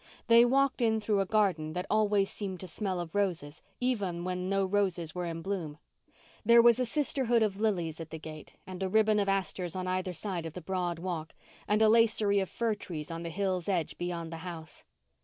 They walked in through a garden that always seemed to smell of roses, even when no roses were in bloom. There was a sisterhood of lilies at the gate and a ribbon of asters on either side of the broad walk, and a lacery of fir trees on the hill's edge beyond the house.